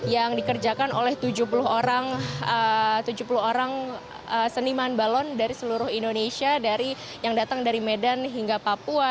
yang dikerjakan oleh tujuh puluh orang seniman balon dari seluruh indonesia yang datang dari medan hingga papua